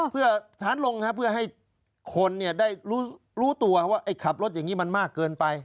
เพื่อทานลงนะครับเพื่อให้คนเนี้ยได้รู้รู้ตัวว่าไอ้ขับรถอย่างงี้มันมากเกินไป